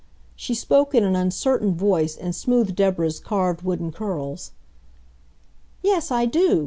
She spoke in an uncertain voice and smoothed Deborah's carved wooden curls. "Yes, I do!"